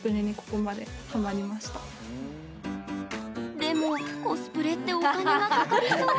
でも、コスプレってお金がかかりそう。